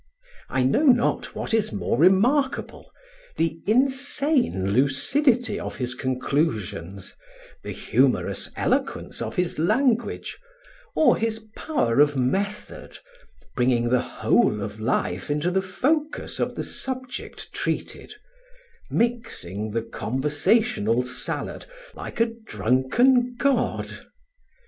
I know not what is more remarkable; the insane lucidity of his conclusions, the humorous eloquence of his language, or his power of method, bringing the whole of life into the focus of the subject treated, mixing the conversational salad like a drunken god.